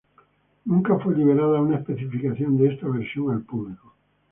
Nunca fue liberada una especificación de esta versión al público.